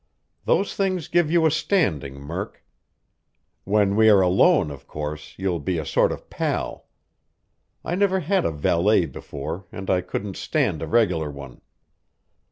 Those things give you a standing, Murk. When we are alone, of course, you'll be a sort of pal. I never had a valet before and I couldn't stand a regular one.